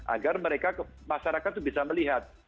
agar mereka masyarakat itu bisa melihat